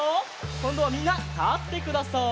こんどはみんなたってください。